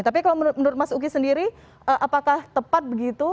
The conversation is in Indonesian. tapi kalau menurut mas uki sendiri apakah tepat begitu